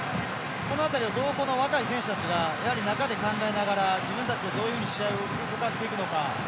この辺りをどうこの若い選手たちが中で考えながら自分たちでどういうふうに試合を動かしていくのか。